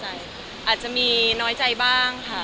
อาจจะมีน้อยใจบ้างค่ะ